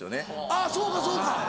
あっそうかそうか。